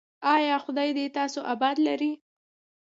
ایا خدای دې تاسو اباد لري؟